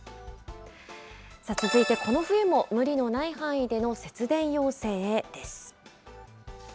続いてこの冬も、無理のない範囲での節電要請へです。